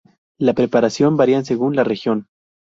La preparación varía según la región.